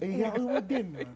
iya'ul umi din